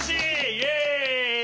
イエイ！